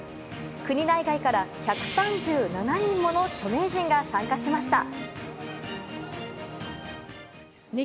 国内外から１３７人もの著名人が参加しました。